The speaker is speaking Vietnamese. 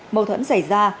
mâu thuẫn xảy ra